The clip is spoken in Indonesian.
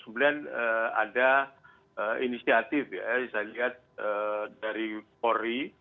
kemudian ada inisiatif ya saya lihat dari polri